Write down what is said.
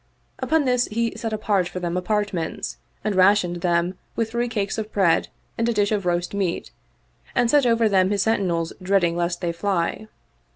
Upon this he set apart for them apartments and rationed them with three cakes of bread and a dish of roast meat and set over them his sentinels dreading lest they fly.